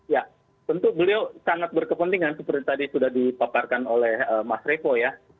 ya tentu beliau sangat berkepentingan seperti tadi sudah dipaparkan oleh mas revo ya